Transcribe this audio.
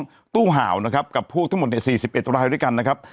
ว่าข้างฟ้องตู้เห่านะครับกับพวกทุกคนที่๔๑รายด้วยกันนะครับ